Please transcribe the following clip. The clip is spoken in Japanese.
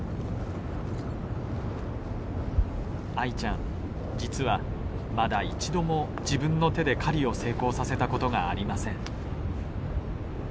アイちゃん実はまだ一度も自分の手で狩りを成功させた事がありません。